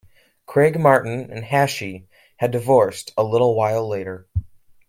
Craig-Martin and Hashey had divorced a little while later.